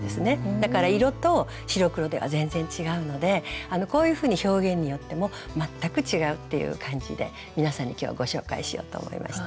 だから色と白黒では全然違うのでこういうふうに表現によっても全く違うっていう感じで皆さんに今日はご紹介しようと思いました。